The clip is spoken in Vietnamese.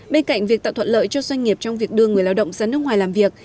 bên cạnh việc tạo thuận lợi cho doanh nghiệp trong việc đưa người lao động ra nước ngoài làm việc